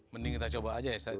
mending kita coba aja ya